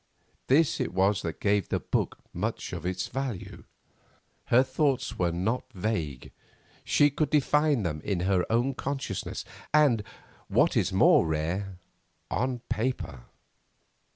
This it was that gave the book much of its value. Her thoughts were not vague, she could define them in her own consciousness, and, what is more rare, on paper.